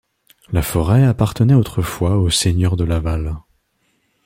La forêt appartenait autrefois aux seigneurs de Laval.